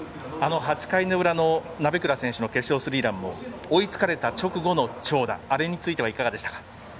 ８回の裏の鍋倉選手の決勝スリーランも追いつかれたあとの長打あれについてはいかがでしたか。